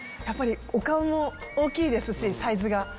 やっぱりお顔も大きいですしサイズが。